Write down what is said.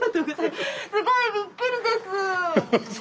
すごいびっくりです！